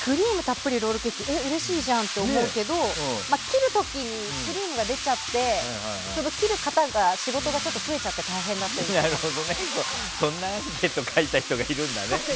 クリームたっぷりロールケーキはうれしいじゃんって思うけど切る時にクリームが出ちゃって切る方の、仕事が増えちゃって大変だったそうです。